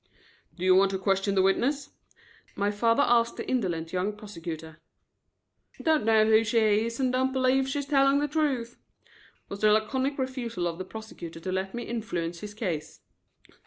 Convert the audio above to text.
"Do you want to question the witness?" my father asked of the indolent young prosecutor. "Don't know who she is and don't believe she is telling the truth," was the laconic refusal of the prosecutor to let me influence his case.